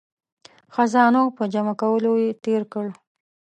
خزانو په جمع کولو یې تیر کړ.